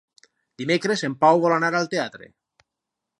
Dimecres en Pau vol anar al teatre.